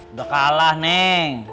udah kalah neng